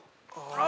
あ！